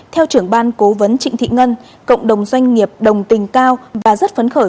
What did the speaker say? theo trưởng ban cố vấn trịnh thị ngân cộng đồng doanh nghiệp đồng tình cao và rất phấn khởi